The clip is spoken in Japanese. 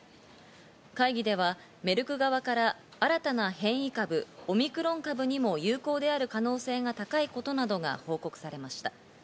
会議ではメルク側から新たな変異株、オミクロン株にも有効である可能性が高いことなどが報告されました。